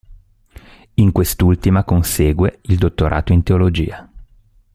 In quest'ultima consegue il dottorato in teologia.